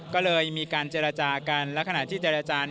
ก็เลยมีการเจรจากันและขณะที่เจรจา